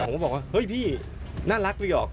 ผมก็บอกว่าเฮ้ยพี่น่ารักพี่หอก